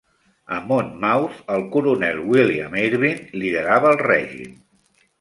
A Monmouth, el coronel William Irvine liderava el règim.